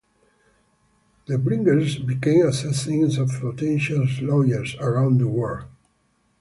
The Bringers became assassins of Potential Slayers around the world.